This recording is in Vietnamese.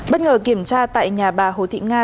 bất ngờ kiểm tra tại nhà bà hồ thị nga